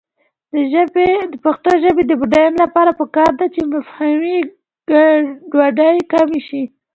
د پښتو ژبې د بډاینې لپاره پکار ده چې مفاهمې ګډوډي کمې شي.